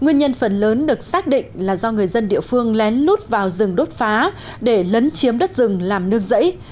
nguyên nhân phần lớn được xác định là do người dân địa phương lén lút vào rừng đốt phá để lấn chiếm đất rừng làm nương rẫy